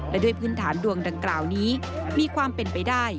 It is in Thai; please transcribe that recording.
และด้วยพื้นฐานดวงดังกล่าวนี้มีความเป็นไปได้